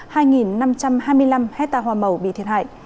hai năm trăm hai mươi năm hecta hòa màu bị thiệt hại